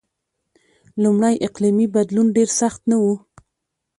لومړی اقلیمی بدلون ډېر سخت نه و.